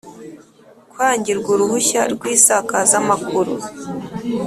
Kwangirwa uruhushya rw isakazamakuru